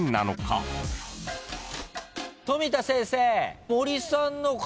富田先生。